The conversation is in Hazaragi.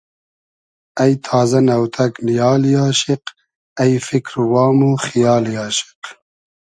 اݷ تازۂ ، نۆتئگ نیالی آشیق اݷ فیکر و وام و خیالی آشیق